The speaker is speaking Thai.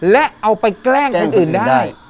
และเอาไปแกล้งคนอื่นได้